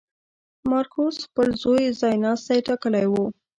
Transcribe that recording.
مارکوس خپل زوی ځایناستی ټاکلی و.